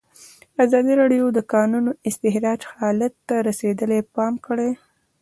ازادي راډیو د د کانونو استخراج حالت ته رسېدلي پام کړی.